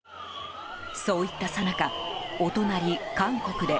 そういったさなかお隣、韓国で。